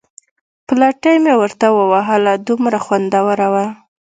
پلتۍ مې ورته ووهله، دومره خوندوره وه.